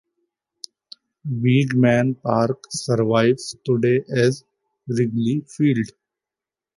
Weeghman Park survives today as Wrigley Field.